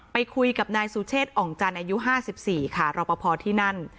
ไปคุยกับนายซู่เชศอ่องจันย์อายุ๕๔ค่ะรอบพอพอร์ที่นั่น